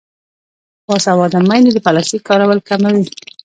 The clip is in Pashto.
باسواده میندې د پلاستیک کارول کموي.